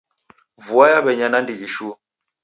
Vua yaw'enya nandighi shuu.